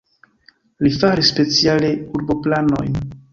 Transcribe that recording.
Li faris speciale urboplanojn.